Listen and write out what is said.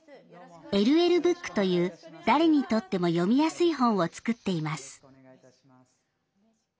ＬＬブックという誰にとっても読みやすい本を作っています。